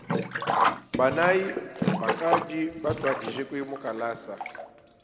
Banayi bakadi batuadije kuya mukalasa.